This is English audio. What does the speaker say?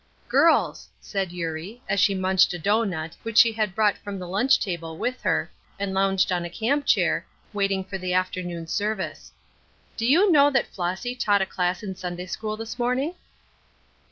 "Girls!" said Eurie, as she munched a doughnut, which she had brought from the lunch table with her, and lounged on a camp chair, waiting for the afternoon service, "do you know that Flossy taught a class in Sunday school this morning?"